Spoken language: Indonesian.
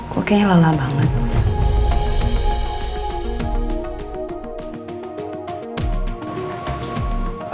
kok kayaknya lelah banget